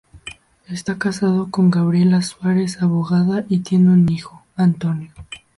Está casado con Gabriela Suárez, abogada, y tiene un hijo, Antonio.